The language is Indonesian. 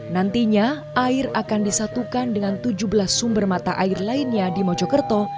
nantinya air akan disatukan dengan tujuh belas sumber mata air lainnya di mojokerto